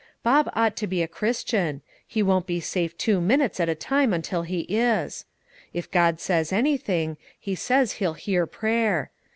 Bob ought to be a Christian; he won't be safe two minutes at a time until he is. If God says anything, He says He'll hear prayer.